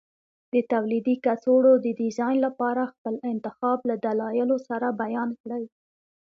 د تولیدي کڅوړو د ډیزاین لپاره خپل انتخاب له دلایلو سره بیان کړئ.